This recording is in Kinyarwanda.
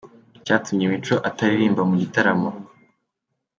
Icyatumye Mico ataririmba mu gitaramo